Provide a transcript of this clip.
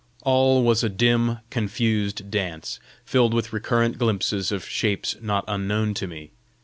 All was a dim, confused dance, filled with recurrent glimpses of shapes not unknown to me.